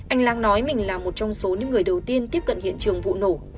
anh lang nói mình là một trong số những người đầu tiên tiếp cận hiện trường vụ nổ